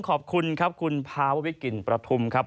ขอบคุณครับคุณภาววิกลิ่นประทุมครับ